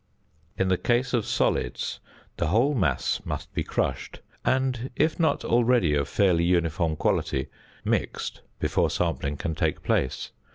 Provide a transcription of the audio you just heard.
In the case of solids, the whole mass must be crushed, and, if not already of fairly uniform quality, mixed, before sampling can take place.